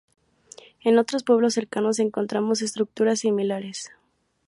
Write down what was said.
En otros pueblos cercanos encontramos estructuras similares.